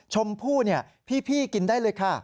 ชมพู่พี่กินได้เลยค่ะ